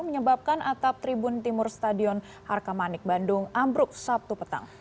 menyebabkan atap tribun timur stadion harkamanik bandung ambruk sabtu petang